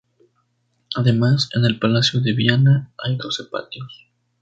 Además, en el palacio de Viana hay doce patios.